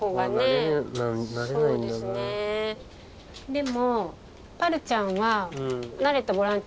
でもパルちゃんは。